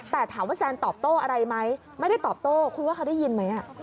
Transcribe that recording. แต่ถามว่าแซนตอบโต้อะไรไหมไม่ได้ตอบโต้คุณว่าเขาได้ยินไหม